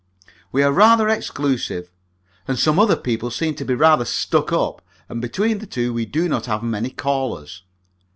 We are rather exclusive, and some other people seem to be rather stuck up, and between the two we do not have many callers.